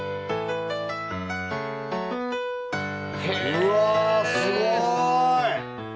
うわ、すごい！